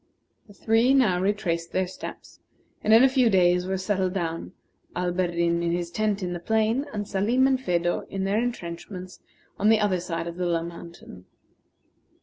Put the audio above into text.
The three now retraced their steps, and in a few days were settled down, Alberdin in his tent in the plain, and Salim and Phedo in their intrenchments on the other side of the low mountain.